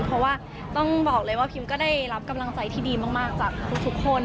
เพราะว่าต้องบอกเลยว่าพิมก็ได้รับกำลังใจที่ดีมากจากทุกคน